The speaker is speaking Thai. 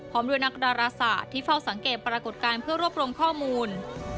ด้วยนักดาราศาสตร์ที่เฝ้าสังเกตปรากฏการณ์เพื่อรวบรวมข้อมูล